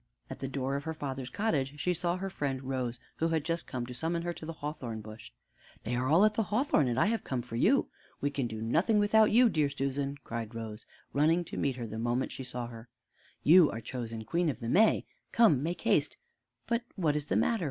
At the door of her father's cottage she saw her friend Rose, who had just come to summon her to the hawthorn bush. "They are all at the hawthorn, and I have come for you. We can do nothing without you, dear Susan," cried Rose, running to meet her the moment she saw her, "You are chosen Queen of the May come, make haste. But what is the matter?